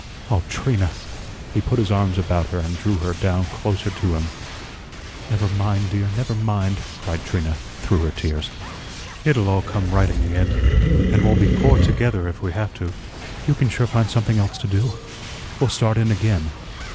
Oh, Trina!" He put his arms about her and drew her down closer to him. "Never mind, dear; never mind," cried Trina, through her tears. "It'll all come right in the end, and we'll be poor together if we have to. You can sure find something else to do. We'll start in again."